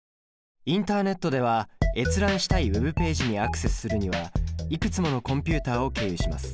インターネットでは閲覧したいＷｅｂページにアクセスするにはいくつものコンピュータを経由します。